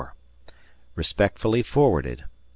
Respectfully forwarded.